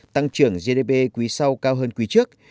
tăng trưởng gdp quý sau cao hơn quý trước